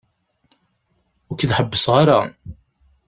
Ur k-id-ḥebbseɣ ara.